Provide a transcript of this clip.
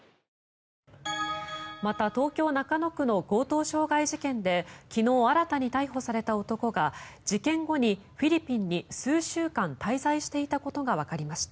また東京・中野区の強盗傷害事件で昨日、新たに逮捕された男が事件後にフィリピンに数週間滞在していたことがわかりました。